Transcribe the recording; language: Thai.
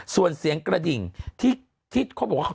ส่วนเสียงกระดิ่งที่เขาบอกว่า